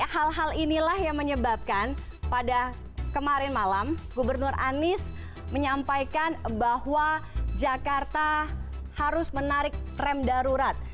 hal hal inilah yang menyebabkan pada kemarin malam gubernur anies menyampaikan bahwa jakarta harus menarik rem darurat